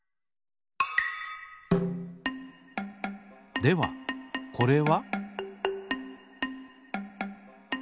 ではこれは？